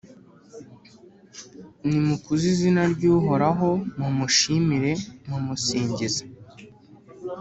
Nimukuze izina ryUhorahomumushimire mumusingiza,